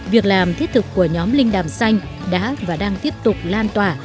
việc làm thiết thực của nhóm linh đàm xanh đã và đang tiếp tục lan tỏa